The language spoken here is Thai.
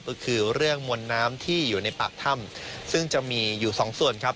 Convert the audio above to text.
ก็คือเรื่องมวลน้ำที่อยู่ในปากถ้ำซึ่งจะมีอยู่สองส่วนครับ